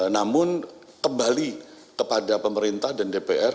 namun kembali kepada pemerintah dan dpr